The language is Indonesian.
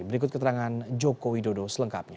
berikut keterangan joko widodo selengkapnya